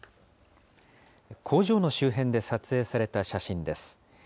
工場の周辺で撮影された写真です。